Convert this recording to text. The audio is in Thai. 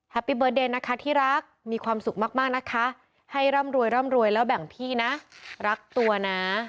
แฮปปี้เบิร์ดเดย์นะคะที่รักมีความสุขมากนะคะให้ร่ำรวยแล้วแบ่งพี่นะรักตัวนะ